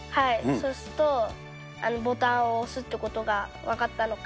そうすると、ボタンを押すっていうことが分かったのか。